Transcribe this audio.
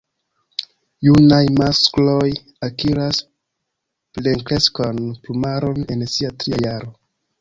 Junaj maskloj akiras plenkreskan plumaron en sia tria jaro.